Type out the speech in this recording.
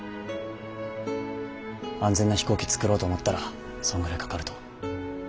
安全な飛行機作ろうと思ったらそんぐらいかかると。